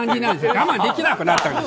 我慢できなくなったんです。